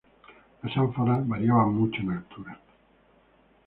Las ánforas variaban mucho en altura.